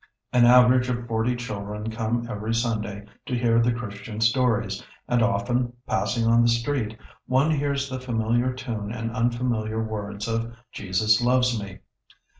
An average of forty children come every Sunday to hear the Christian stories, and often, passing on the street, one hears the familiar tune and unfamiliar words of "Jesus loves me."